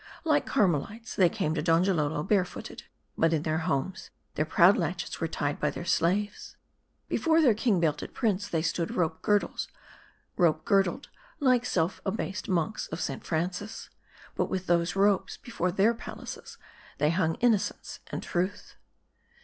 Like Carmelites, they came to Donjalolo, barefooted ; but in their homes, their proud latchets were tied by their slaves. Before their king belted prince, they stood rope girdled like self abased monks of St. Francis ; but with those ropes, be fore their palaces, they hung Innocence and Truth.